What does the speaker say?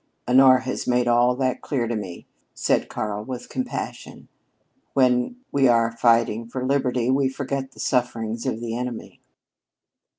"Honora has made all that clear to me," said Karl with compassion. "When we are fighting for liberty we forget the sufferings of the enemy."